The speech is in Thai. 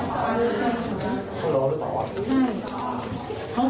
เขาฝัง